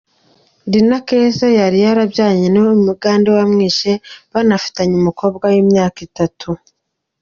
Linah Keza, yari yarabyaranye n’uyu mugande wamwishe, banafitanye umukobwa w’imyaka itatu.